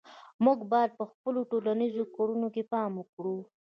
موږ باید په خپلو ټولنیزو کړنو کې پام وکړو.